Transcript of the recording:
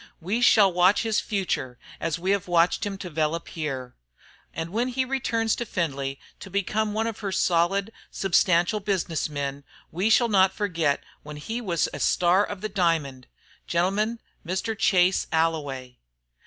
We shall watch his future as we have watched him develop here. And when he returns to Findlay to become one of her solid, substantial business men, we shall not forget when he was a Star of the Diamond. Gentlemen, Mr. Chase Alloway."